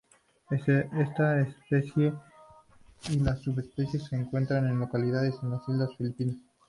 Esta especie y las subespecies se encuentran localizadas en las islas de Filipinas.